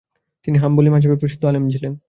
তিনি হাম্বলী মাযহাবে প্রসিদ্ধ আলেম ছিলেন।